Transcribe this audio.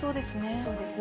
そうですね。